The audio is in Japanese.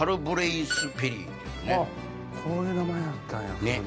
こういう名前やったんや。